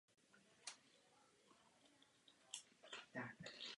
V tomto ohledu je podpora odbytu důležitější než hromadění zásob.